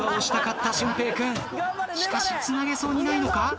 しかしつなげそうにないのか？